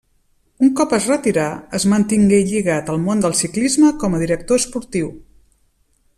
Un cop es retirà, es mantingué lligat al món del ciclisme com a director esportiu.